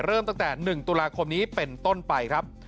เริ่มตั้งแต่๑ตุลาคมนี้เป็นต้นไปครับ